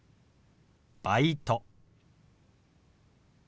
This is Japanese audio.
「バイト」。